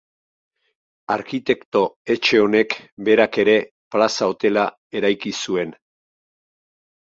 Arkitekto etxe honek berak ere Plaza Hotela eraiki zuen.